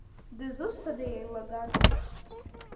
Дызусҭада иеилагаз?